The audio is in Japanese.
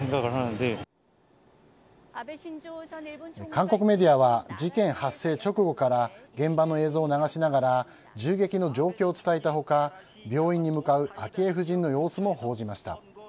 韓国メディアは事件発生直後から現場の映像を流しながら銃撃の情報を伝えた他病院に向かう昭恵夫人の様子も報じました。